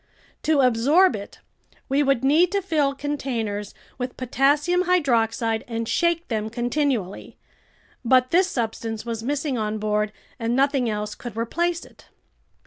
To absorb it, we would need to fill containers with potassium hydroxide and shake them continually. But this substance was missing on board and nothing else could replace it.